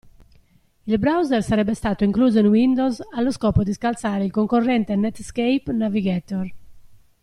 Il browser sarebbe stato incluso in Windows allo scopo di scalzare il concorrente Netscape Navigator.